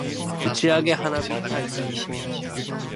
打ち上げ花火大会